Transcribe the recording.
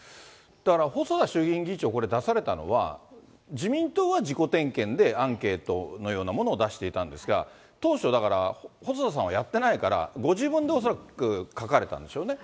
だから細田衆議院議長、これ、出されたのは、自民党は自己点検でアンケートのようなものを出していたんですが、当初だから、細田さんはやってないから、ご自分で恐らく書かれたんでしょうね。